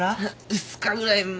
２日ぐらい前。